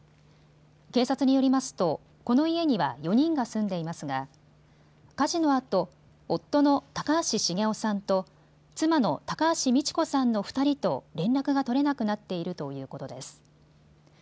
警察によりますと、この家には４人が住んでいますが火事のあと夫の高橋重雄さんと妻の高橋美知子さんの２人と連絡が取れなくなっているということです。